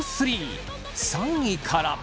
３位から。